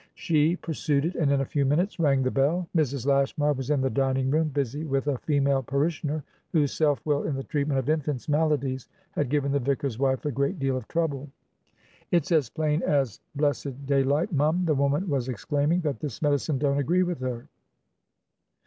She pursued it, and in a few minutes rang the bell. Mrs. Lashmar was in the dining room, busy with a female parishioner whose self will in the treatment of infants' maladies had given the vicar's wife a great deal of trouble. "It's as plain as blessed daylight, mum," the woman was exclaiming, "that this medicine don't agree with her."